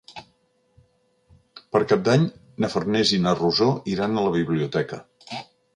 Per Cap d'Any na Farners i na Rosó iran a la biblioteca.